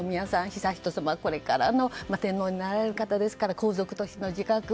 悠仁さま、これからの天皇になられる方ですから皇族としての自覚。